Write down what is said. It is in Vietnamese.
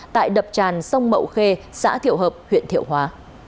tại đập tràn sông mậu khê xã thiệu hợp huyện thiệu hóa